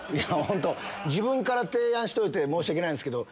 自分から提案しといて申し訳ないんすけど。